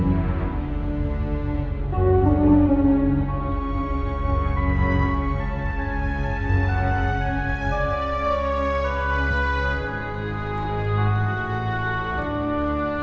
masih kebayang ijom duduk di sini